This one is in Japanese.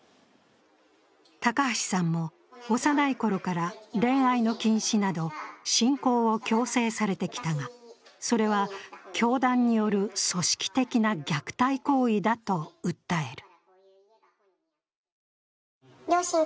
高橋さんも幼いころから恋愛の禁止など信仰を強制されてきたがそれは教団による組織的な虐待行為だと訴える。